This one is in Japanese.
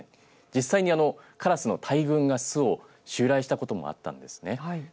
実際にからすの大群が巣を襲来したこともあったんですね。